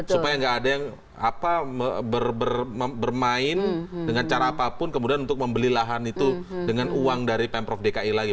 supaya nggak ada yang bermain dengan cara apapun kemudian untuk membeli lahan itu dengan uang dari pemprov dki lagi